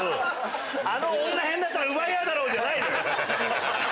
あのおんなへんだったら奪い合うだろう！じゃないのよ。